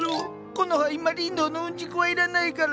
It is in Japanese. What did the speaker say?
コノハ今リンドウのうんちくは要らないから。